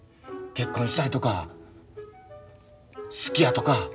結婚したいとか好きやとか。